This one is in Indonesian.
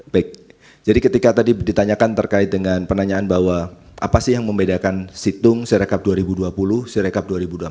baik jadi ketika tadi ditanyakan terkait dengan penanyaan bahwa apa sih yang membedakan situng sirekap dua ribu dua puluh sirekap dua ribu dua puluh